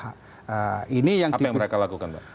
apa yang mereka lakukan pak